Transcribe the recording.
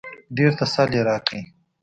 ډېر تسل يې راکړ.